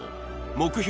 目標